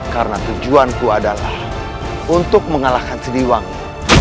karena tujuanku adalah untuk mengalahkan sediwangmu